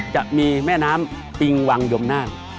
จะมีแม่น้ำปิงวังยมนาค